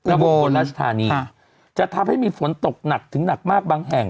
อุบลราชธานีจะทำให้มีฝนตกหนักถึงหนักมากบางแห่ง